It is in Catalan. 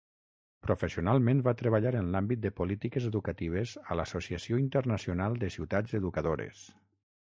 Professionalment va treballar en l'àmbit de polítiques educatives a l'Associació Internacional de Ciutats Educadores.